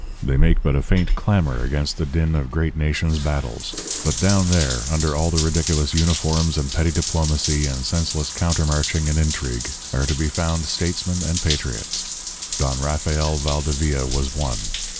They make but a faint clamour against the din of great nations' battles; but down there, under all the ridiculous uniforms and petty diplomacy and senseless countermarching and intrigue, are to be found statesmen and patriots. Don Rafael Valdevia was one.